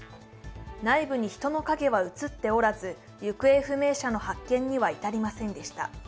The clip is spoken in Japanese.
内部に人の影は写っておらず、行方不明者の発見には至りませんでした。